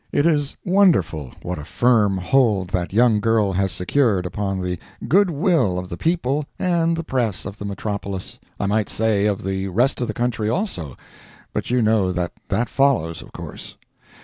It is wonderful what a firm hold that young girl has secured upon the good will of the people and the press of the metropolis—I might say, of the rest of the country also, but you know that that follows, of course.